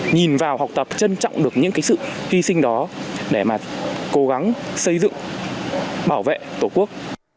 nhìn vào học tập trân trọng được những cái sự hy sinh đó để mà cố gắng xây dựng bảo vệ tổ quốc